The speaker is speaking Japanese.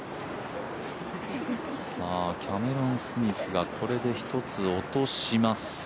キャメロン・スミスがこれで１つ、落とします。